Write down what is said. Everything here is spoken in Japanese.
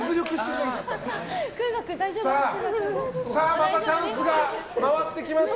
またチャンスが回ってきました。